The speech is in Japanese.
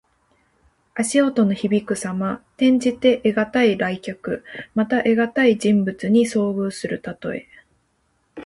足音のひびくさま。転じて、得難い来客。また、得難い人物に遭遇するたとえ。